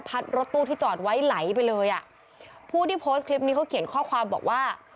รถตู้ที่จอดไว้ไหลไปเลยอ่ะผู้ที่โพสต์คลิปนี้เขาเขียนข้อความบอกว่า